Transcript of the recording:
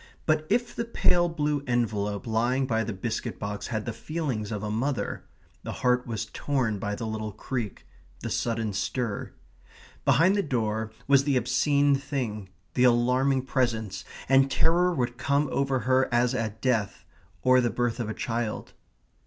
But if the pale blue envelope lying by the biscuit box had the feelings of a mother, the heart was torn by the little creak, the sudden stir. Behind the door was the obscene thing, the alarming presence, and terror would come over her as at death, or the birth of a child.